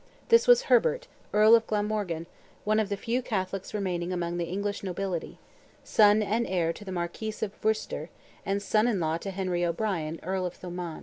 This was Herbert, Earl of Glamorgan, one of the few Catholics remaining among the English nobility; son and heir to the Marquis of Worcester, and son in law to Henry O'Brien, Earl of Thomond.